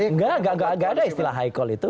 enggak enggak ada istilah high call itu